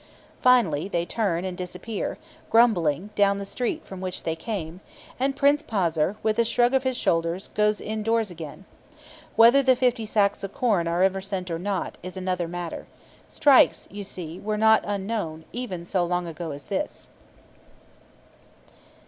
Finally they turn, and disappear, grumbling, down the street from which they came; and Prince Paser, with a shrug of his shoulders, goes indoors again. Whether the fifty sacks of corn are ever sent or not, is another matter. Strikes, you see, were not unknown, even so long ago as this.